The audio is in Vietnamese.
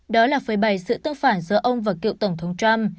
đó là phơi bày sự tư phản giữa ông và cựu tổng thống trump